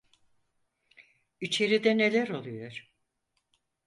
İçeride neler oluyor?